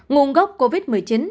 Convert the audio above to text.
nguồn gốc covid một mươi chín